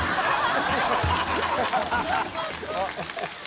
「ハハハハ！」